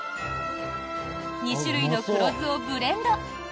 ２種類の黒酢をブレンド。